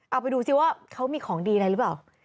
เอาไปดูซิว่าเขามีของดีอะไรหรือเปล่า